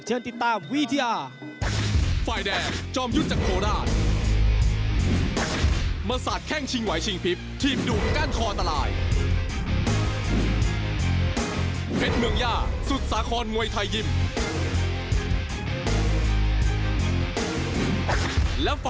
เชิญติดตามวิทยา